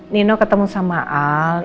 nino ketemu sama alde